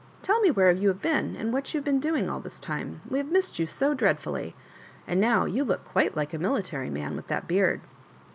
Tell me where you have been, and what you have been doing all this time. We have missed you so dreadfully. And now you look quite like a military man with that beard."